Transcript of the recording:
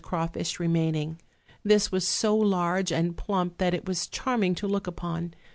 crawfish remaining; this was solarge and plump that it was charming to look upon.